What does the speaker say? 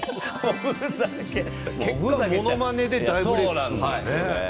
ものまねで大ブレークするんですね。